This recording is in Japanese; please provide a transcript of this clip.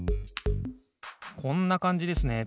こんなかんじですね。